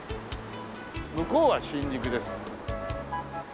向こうは新宿です。